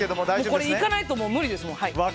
これいかないと無理ですもう。